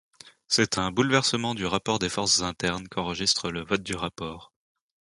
C'est un bouleversement du rapport des forces internes qu'enregistre le vote du rapport.